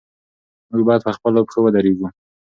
موږ باید پر خپلو پښو ودرېږو.